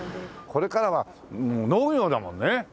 これからは農業だもんね。